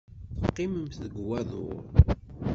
Teqqimemt deg wadur.